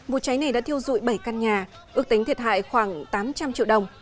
vụ cháy này đã thiêu dụi bảy căn nhà ước tính thiệt hại khoảng tám trăm linh triệu đồng